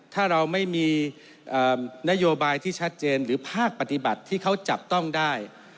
ถ้าเราไม่มีนโยบายที่ชัดเจนหรือภาคปฏิบัติที่เขาจับต้องได้